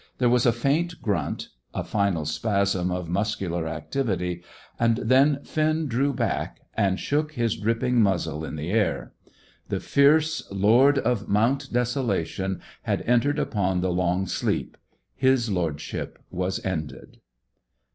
There was a faint grunt, a final spasm of muscular activity, and then Finn drew back, and shook his dripping muzzle in the air. The fierce lord of Mount Desolation had entered upon the long sleep; his lordship was ended.